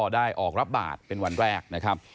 ได้ออกรับบาตรเป็นวันแรก